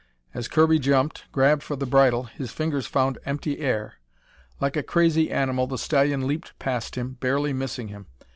As Kirby jumped, grabbed for the bridle, his fingers found empty air. Like a crazy animal the stallion leaped past him, barely missing him.